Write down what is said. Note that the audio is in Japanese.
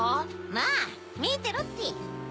まぁみてろって。